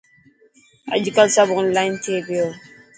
اڄڪل سب اونلائن ٿي پيو.